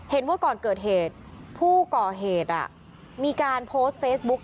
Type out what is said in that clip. เห็นว่าก่อนเกิดเหตุผู้ก่อเหตุมีการโพสต์เฟซบุ๊ก